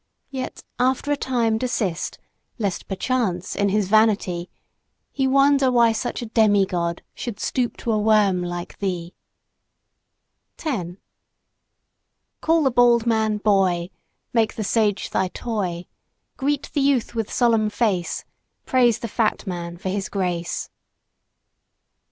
Yet, after a time, desist; lest perchance, in his vanity, He wonder why such a demi god should stoop to a worm like thee! 10 Call the bald man, "Boy;" make the sage thy toy; Greet the youth with solemn face; praise the fat man for his grace.